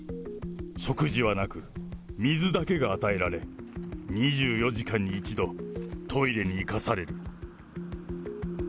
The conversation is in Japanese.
食事はなく、水だけが与えられ、２４時間に１度、トイレに行かされる。